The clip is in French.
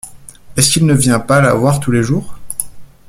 Est-ce qu’il ne vient pas la voir tous les jours ?